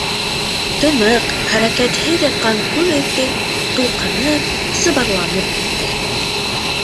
Тымыҡ, хәрәкәтһеҙ ятҡан күл өҫтө тулҡынып, сыбарланып китте.